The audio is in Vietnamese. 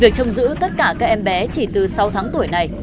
vừa chồng giữ tất cả các em bé chỉ từ sáu tháng tuổi này